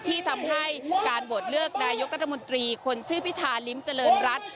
ที่ทำให้การโหวตเลือกนายกรัฐมนตรีคนชื่อพิธาลิ้มเจริญรัฐ